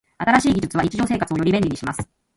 新しい技術は日常生活をより便利にします。